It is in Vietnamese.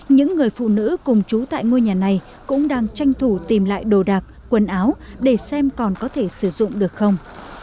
những người phụ nữ cùng chú tại ngôi nhà này cũng đang tranh thủ tìm lại đồ đạc quần áo để xem còn có thể sử dụng được không